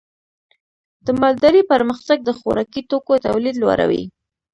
د مالدارۍ پرمختګ د خوراکي توکو تولید لوړوي.